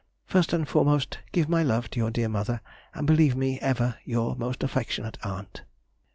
First and foremost, give my love to your dear mother, and believe me, ever your most affectionate aunt, C.